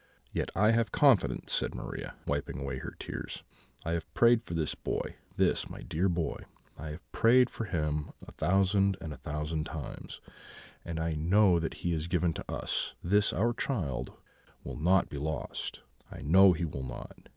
"'Yet I have confidence,' said Maria, wiping away her tears; 'I have prayed for this boy this my dear boy; I have prayed for him a thousand and a thousand times; and I know that he is given to us: this our child will not be lost; I know he will not.